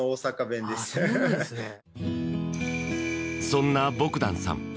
そんな、ボグダンさん